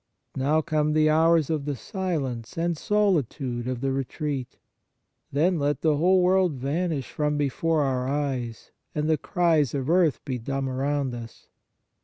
Now come the hours of the silence and solitude of the retreat ; then let the whole world vanish from before our eyes, and the cries of earth be dumb around us.